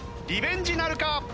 リベンジなるか？